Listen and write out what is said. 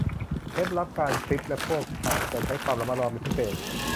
เคล็ดลับการพริบและพวกเขาจะใช้ความระมัดระวังเป็นพิเศษ